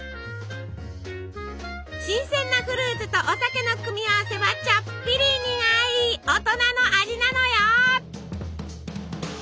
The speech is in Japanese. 新鮮なフルーツとお酒の組み合わせはちょっぴり苦い大人の味なのよ。